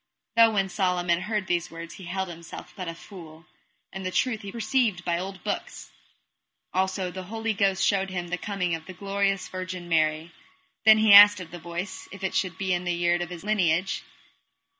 Tho when Solomon heard these words he held himself but a fool, and the truth he perceived by old books. Also the Holy Ghost showed him the coming of the glorious Virgin Mary. Then asked he of the voice, if it should be in the yerde of his lineage.